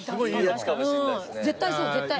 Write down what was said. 絶対そう絶対。